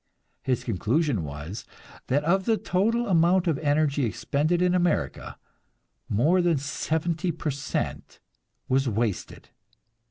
His conclusion was that of the total amount of energy expended in America, more than seventy per cent was wasted.